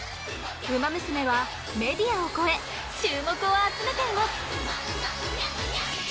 「ウマ娘」はメディアを超え注目を集めています。